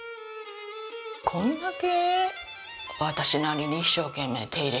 こんだけ。